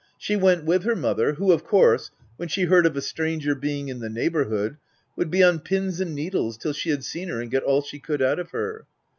She went with her mother, who, of course, when she heard of a stranger being in the neighbourhood, would be on pins and needles till she had seen her and got all she OF WILDFELL HALL. 13 could out of her.